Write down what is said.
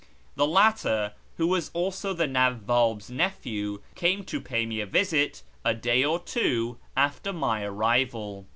The latter, who was also the Nawwab's nephew, came to pay me a visit a day or two after my arrival.